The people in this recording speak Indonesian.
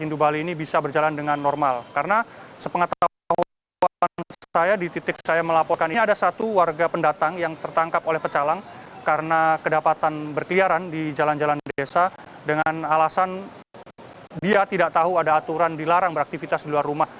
hindu bali ini bisa berjalan dengan normal karena sepengetahuan saya di titik saya melaporkan ini ada satu warga pendatang yang tertangkap oleh pecalang karena kedapatan berkeliaran di jalan jalan desa dengan alasan dia tidak tahu ada aturan dilarang beraktivitas di luar rumah